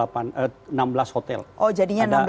oh jadinya enam belas hotel ya pak